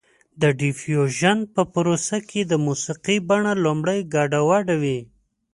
د ډیفیوژن په پروسه کې د موسیقۍ بڼه لومړی ګډه وډه وي